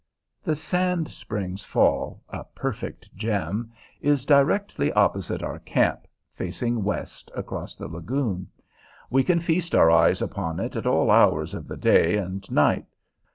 The Sand Springs Fall, a perfect gem, is directly opposite our camp, facing west across the lagoon. We can feast our eyes upon it at all hours of the day and night.